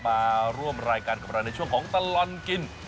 มาร่วมรายการกับเราในช่วงของตลอดกิน